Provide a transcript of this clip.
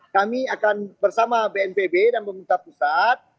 kami akan bersama bnpb dan pemerintah pusat